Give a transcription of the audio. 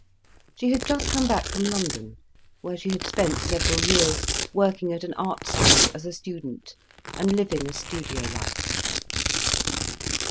She had just come back from London, where she had spent several years, working at an art school, as a student, and living a studio life.